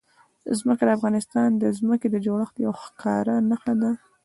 ځمکه د افغانستان د ځمکې د جوړښت یوه ښکاره نښه ده.